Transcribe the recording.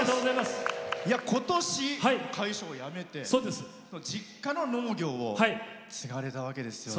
今年、会社を辞めて実家の農業を継がれたわけですよね。